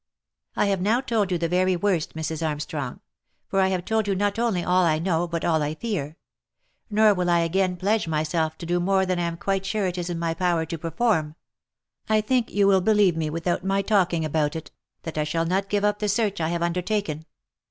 I have now told you the very worst, Mrs. Armstrong, for I have told you not only all I know but all I fear — nor will I again pledge myself to do more than I am quite sure it is in my power to perform. I think you will believe, without my talking about it, that I shall not give up the search I have undertaken.